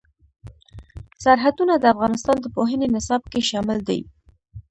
سرحدونه د افغانستان د پوهنې نصاب کې شامل دي.